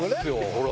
ほら。